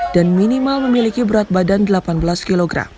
dan minimal memiliki berat badan delapan lima kg